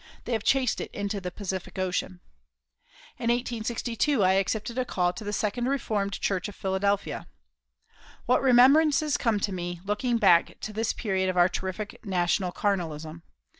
They have chased it into the Pacific Ocean. In 1862 I accepted a call to the Second Reformed Church of Philadelphia. What remembrances come to me, looking backward to this period of our terrific national carnalism!